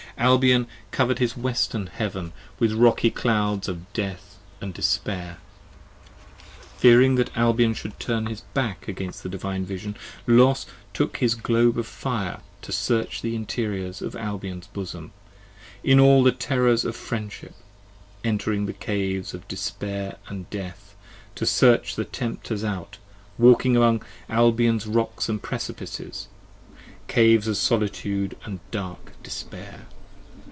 Albion cover'd 34 p. 3 1 HIS western heaven with rocky clouds of death & despair. Fearing that Albion should turn his back against the Divine Vision Los took his globe of fire to search the interiors of Albion's Bosom, in all the terrors of friendship, entering the caves 5 Of despair & death, to search the tempters out, walking among Albion's rocks & precipices: caves of solitude & dark despair.